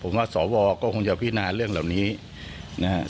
ผมว่าสวก็คงจะพินาเรื่องเหล่านี้นะฮะ